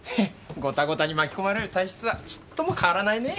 ゴタゴタに巻き込まれる体質はちっとも変わらないねぇ。